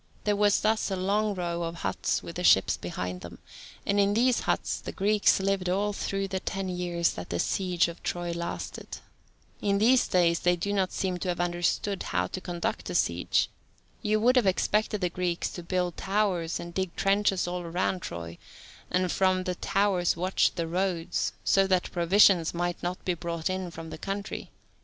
There was thus a long row of huts with the ships behind them, and in these huts the Greeks lived all through the ten years that the siege of Troy lasted. In these days they do not seem to have understood how to conduct a siege. You would have expected the Greeks to build towers and dig trenches all round Troy, and from the towers watch the roads, so that provisions might not be brought in from the country.